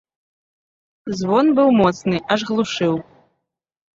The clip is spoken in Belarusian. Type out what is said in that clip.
Звон быў моцны, аж глушыў.